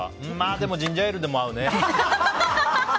でもジンジャーエールでも合うね。